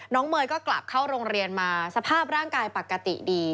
เมย์ก็กลับเข้าโรงเรียนมาสภาพร่างกายปกติดี